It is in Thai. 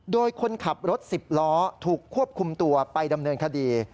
โดยคนขับรถ๑๐ล้อถูกควบคุมตัวไปดำเนินคดี